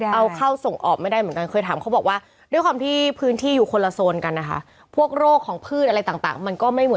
มีนมีนค่อยถามเหมือนกันว่าเอ๊ะทำไมบางทีเมล็ดอะไรอย่างนี้